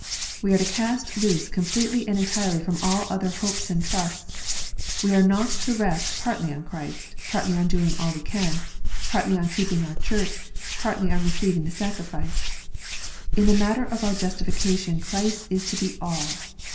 Wo are to cast loose completely and entirely from all other hopes and trusts. We are not to rest partly on Christ, partly on doing all we can, partly on keeping our church, partly on receiving the sacrament. In the matter of our justification Christ is to be all.